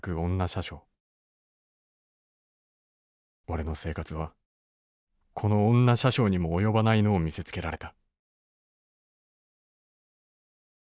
俺の生活はこの女車掌にも及ばないのを見せつけられた」。